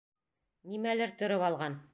Нимәлер төрөп алған.